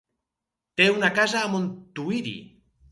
Té una casa a Montuïri.